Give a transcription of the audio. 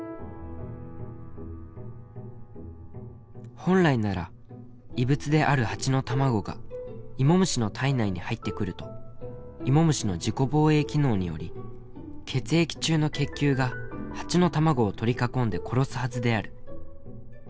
「本来なら異物であるハチの卵がイモムシの体内に入ってくるとイモムシの自己防衛機能により血液中の血球がハチの卵を取り囲んで殺すはずである。